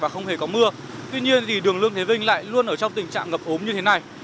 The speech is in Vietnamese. thì có mưa tuy nhiên thì đường lương thế vinh lại luôn ở trong tình trạng ngập ống như thế này